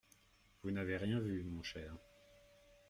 Vous n'avez rien vu, mon cher.